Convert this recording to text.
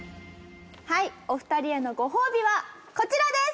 はいお二人へのご褒美はこちらです！